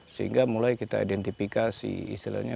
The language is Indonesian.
sehingga mulai kita identifikasi istilahnya